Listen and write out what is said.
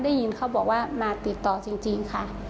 ได้ยินเขาบอกว่ามาติดต่อจริงค่ะ